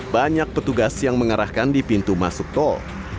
banyak petugas yang mengarahkan di pintu masuk tol